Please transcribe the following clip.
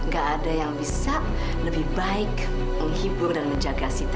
gak ada yang bisa lebih baik menghibur dan menjaga situasi